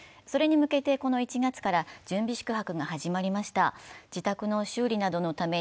それに向けて、この１月から準備宿泊が始まりました。